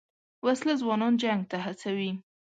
وسله ځوانان جنګ ته هڅوي